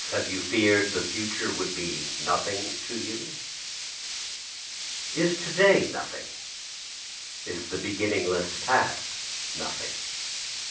Have you fear'd the future would be nothing to you? Is to day nothing? is the beginningless past nothing?